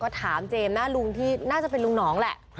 ก็ถามเจมส์หน้าลุงที่น่าจะเป็นลุงหนองแหละ